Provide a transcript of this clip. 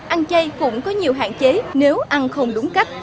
ăn chay cũng có nhiều hạn chế nếu ăn không đúng cách